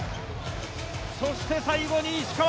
そして最後に石川！